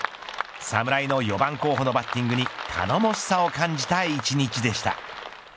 侍の４番候補のバッティングに頼もしさを感じた１日でした。